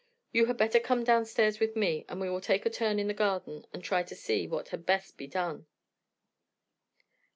You had better come downstairs with me, and we will take a turn in the garden, and try to see what had best be done."